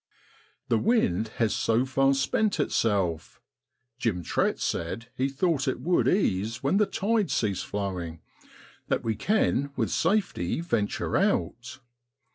The wind has so far spent itself (Jim Trett said he thought it would ease when the tide ceased flowing) that we can with safety venture out.